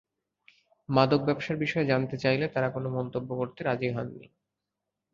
মাদক ব্যবসার বিষয়ে জানতে চাইলে তাঁরা কোনো মন্তব্য করতে রাজি হননি।